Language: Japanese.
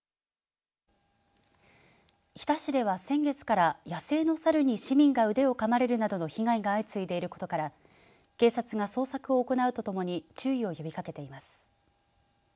日田市では先月から野生のサルに市民が腕をかまれるなどの被害が相次いでいることから警察が捜索を行うとともに注意を呼びかけています。